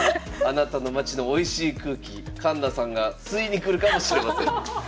あなたの町のおいしい空気環那さんが吸いに来るかもしれません。